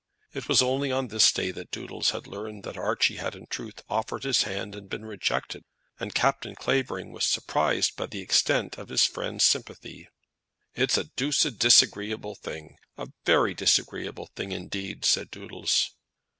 It was only on this day that Doodles had learned that Archie had in truth offered his hand, and been rejected; and Captain Clavering was surprised by the extent of his friend's sympathy. "It's a doosed disagreeable thing, a very disagreeable thing indeed," said Doodles.